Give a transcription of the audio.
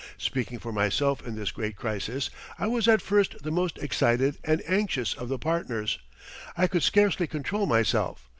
Speaking for myself in this great crisis, I was at first the most excited and anxious of the partners. I could scarcely control myself.